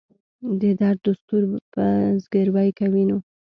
د درد دستور به زګیروی کوي نو.